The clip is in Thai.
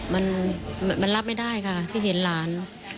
มันรับไม่ได้ค่ะที่เห็นหลาน